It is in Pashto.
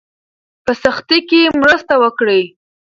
په سختۍ کې مرسته وکړئ.